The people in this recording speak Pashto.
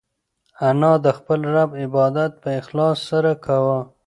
انا د خپل رب عبادت په اخلاص سره کاوه.